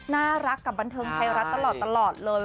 น่ารักกับบันเทิงไทยรัฐตลอดเลย